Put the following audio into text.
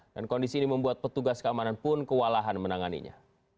dan kondisi ini membuat petugas keamanan pun kewalahan menanganinya